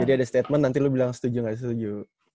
jadi ada statement nanti lu bilang setuju gak setuju